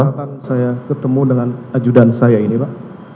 kapan saya ketemu dengan ajudan saya ini pak